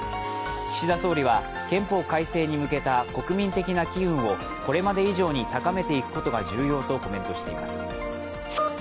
岸田総理は憲法改正に向けた国民的な機運をこれまで以上に高めていくことが重要とコメントしています。